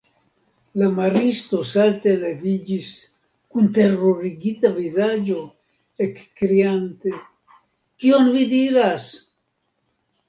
La maristo salte leviĝis kun terurigita vizaĝo, ekkriante:Kion vi diras!